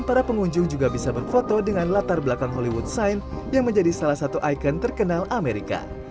para pengunjung juga bisa berfoto dengan latar belakang hollywood sign yang menjadi salah satu ikon terkenal amerika